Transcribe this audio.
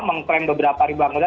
mengklaim beberapa ribuan anggota